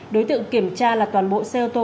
đối tượng kiểm tra là toàn bộ xe ô tô